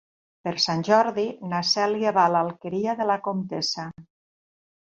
Per Sant Jordi na Cèlia va a l'Alqueria de la Comtessa.